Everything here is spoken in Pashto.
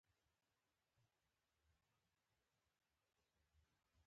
سمه ده زه به کوشش وکړم.